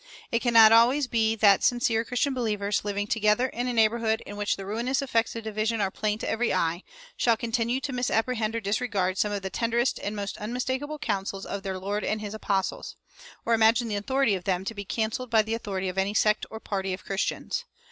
It cannot always be that sincere Christian believers, living together in a neighborhood in which the ruinous effects of division are plain to every eye, shall continue to misapprehend or disregard some of the tenderest and most unmistakable counsels of their Lord and his apostles, or imagine the authority of them to be canceled by the authority of any sect or party of Christians.